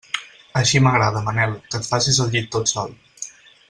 Així m'agrada, Manel, que et facis el llit tot sol.